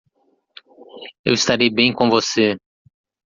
Eu estarei bem com você.